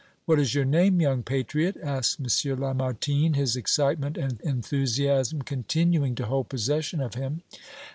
"What is your name, young patriot?" asked M. Lamartine, his excitement and enthusiasm continuing to hold possession of him.